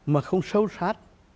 mà không sâu sát